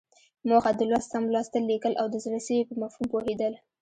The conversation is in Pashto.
موخه: د لوست سم لوستل، ليکل او د زړه سوي په مفهوم پوهېدل.